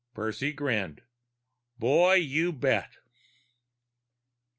Percy grinned. "Boy, you bet!"